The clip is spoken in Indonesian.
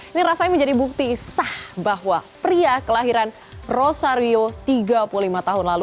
ini rasanya menjadi bukti sah bahwa pria kelahiran rosario tiga puluh lima tahun lalu